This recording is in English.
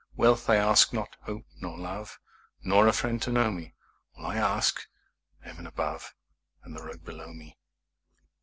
Wealth I ask not, hope nor love, Nor a friend to know me; All I ask, the heaven above And the road below me.